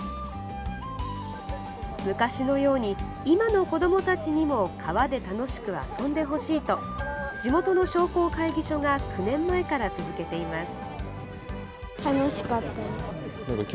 昔のように、今の子どもたちにも川で楽しく遊んでほしいと地元の商工会議所が９年前から続けています。